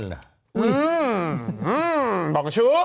หืมบ่องชู้